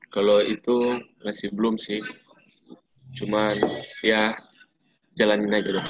kalau itu masih belum sih cuman ya jalanin aja dong